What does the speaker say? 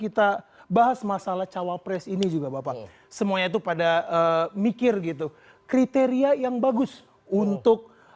kita bahas masalah cawapres ini juga bapak semuanya itu pada mikir gitu kriteria yang bagus untuk